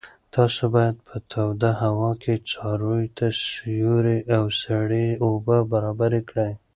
تاسو باید په توده هوا کې څارویو ته سیوری او سړې اوبه برابرې کړئ.